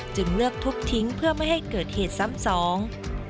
เลือกทุบทิ้งเพื่อไม่ให้เกิดเหตุซ้ำสอง